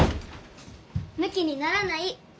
むきにならない！